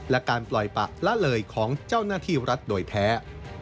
และการปล่อยปะละเลยของเจ้าหน้าที่รัฐโดยแท้